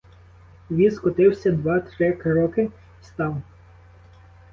Віз котився два-три кроки й став.